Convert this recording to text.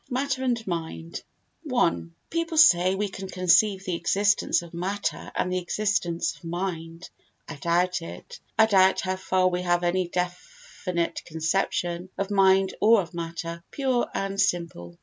Matter and Mind i People say we can conceive the existence of matter and the existence of mind. I doubt it. I doubt how far we have any definite conception of mind or of matter, pure and simple.